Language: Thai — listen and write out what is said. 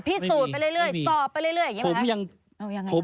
พิสูจน์ไปเรื่อยสอบไปเรื่อยอย่างนี้หรอคะ